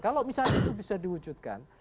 kalau misalnya itu bisa diwujudkan